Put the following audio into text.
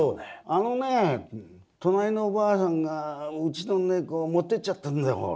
「あのね隣のおばあさんがうちの猫を持ってっちゃったんだよ」。